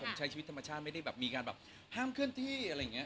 ผมใช้ชีวิตธรรมชาติไม่ได้แบบมีการแบบห้ามเคลื่อนที่อะไรอย่างนี้